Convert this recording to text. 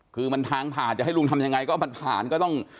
คือมันทางผ่านจะให้ลุงทำยังไงก็มันผ่านก็ต้อง